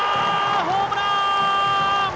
ホームラン！